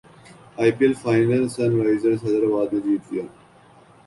ائی P L final Sunrisers Hyderabad نے جیت لیا